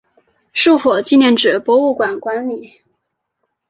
树火纪念纸博物馆管理。